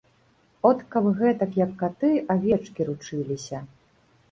От каб гэтак, як каты, авечкі ручыліся.